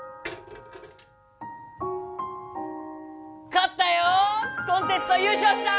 勝ったよコンテスト優勝した